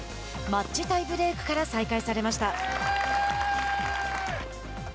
マッチタイブレークから再開されました。